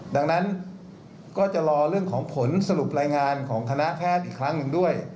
ดังนั้นก็จะรอเรื่องของผลสรุปรายงานของคณะแพทย์อีกครั้งหนึ่งด้วย